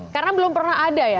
karena belum pernah ada ya